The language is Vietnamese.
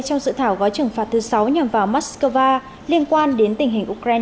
trong dự thảo gói trừng phạt thứ sáu nhằm vào moscow liên quan đến tình hình ukraine